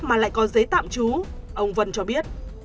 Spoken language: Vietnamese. mà lại có giấy tạm trú ông vân cho biết